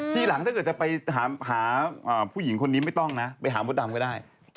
ทีหลังถ้าเกิดจะไปหาผู้หญิงคนนี้ไม่ต้องนะไปหามดดำก็ได้